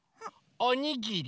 おにぎり。